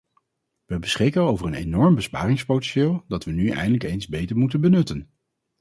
We beschikken over een enorm besparingspotentieel dat we nu eindelijk eens beter moeten benutten.